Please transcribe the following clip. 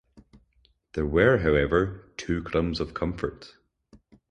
There were however two crumbs of comfort.